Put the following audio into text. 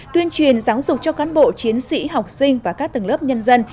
tuyên truyền giáo dục cho cán bộ chiến sĩ học sinh và các tầng lớp nhân dân